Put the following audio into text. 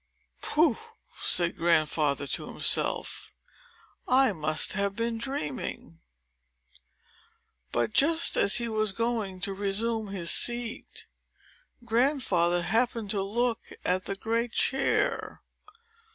"Pooh!" said Grandfather to himself, "I must have been dreaming." But, just as he was going to resume his seat, Grandfather happened to look at the great chair.